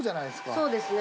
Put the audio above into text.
そうですね。